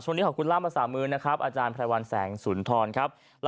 ช่วงนี้ขอบคุณล่ามา๓มื้อนะครับอาจารย์ไพรวันแสงสุนทร